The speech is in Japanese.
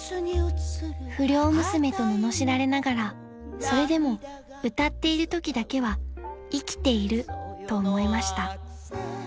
［不良娘とののしられながらそれでも歌っているときだけは生きていると思えました］